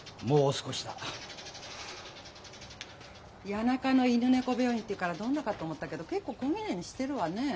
谷中の犬猫病院って言うからどんなかと思ったけど結構こぎれいにしてるわねえ。